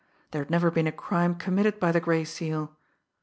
There had never been a crime committed by the Gray Seal!